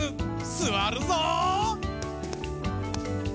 すわるぞう！